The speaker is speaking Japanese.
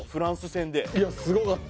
いやすごかった。